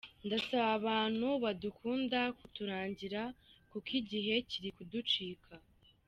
Ndasaba abantu badukunda kuturangira kuko igihe kiri kuducika.